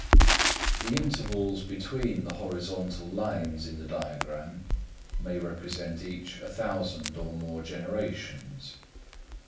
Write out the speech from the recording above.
The intervals between the horizontal lines in the diagram, may represent each a thousand or more generations.